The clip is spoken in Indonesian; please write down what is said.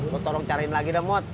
lo tolong cariin lagi deh mut